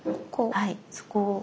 はいそこを。